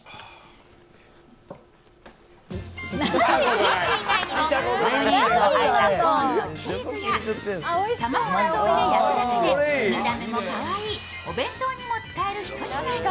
キッシュ以外にもマヨネーズを和えたコーンとチーズや卵などを入れ焼くだけで見た目もかわいいお弁当にも使える一品に。